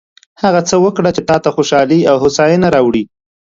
هغه هڅه وکړه چې تا ته خوشحالي او هوساینه راوړي.